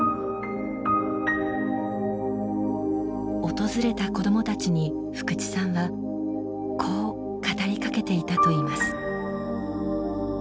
訪れた子どもたちに福地さんはこう語りかけていたといいます。